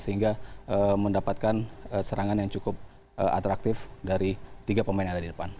sehingga mendapatkan serangan yang cukup atraktif dari tiga pemain yang ada di depan